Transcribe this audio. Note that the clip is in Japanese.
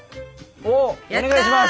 おっお願いします！